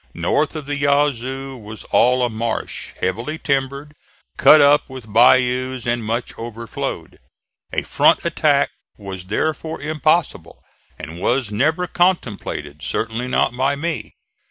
North of the Yazoo was all a marsh, heavily timbered, cut up with bayous, and much overflowed. A front attack was therefore impossible, and was never contemplated; certainly not by me.